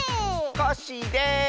コッシーです！